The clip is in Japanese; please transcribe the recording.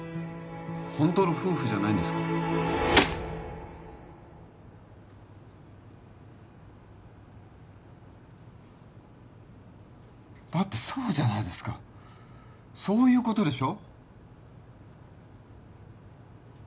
本当の夫婦じゃないんですからだってそうじゃないですかそういうことでしょ？